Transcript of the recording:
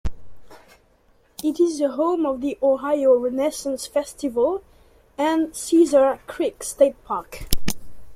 It is the home of the Ohio Renaissance Festival and Caesar Creek State Park.